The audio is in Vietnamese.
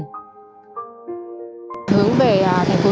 hướng về thành phố hồ chí minh là